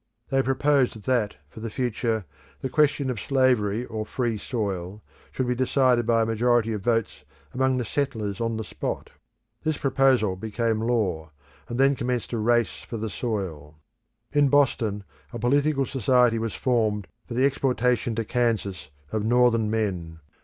They proposed that, for the future, the question of slavery or free soil should be decided by a majority of votes among the settlers on the spot. This proposal became law, and then commenced a race for the soil. In Boston a political society was formed for the exportation to Kansas of Northern men.